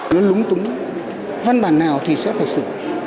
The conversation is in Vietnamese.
nó lúng túng văn bản nào thì sẽ phải xử